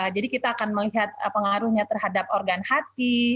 jadi kita akan melihat pengaruhnya terhadap organ hati